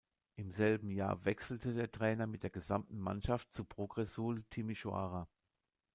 Im selben Jahr wechselte der Trainer mit der gesamten Mannschaft zu Progresul Timișoara.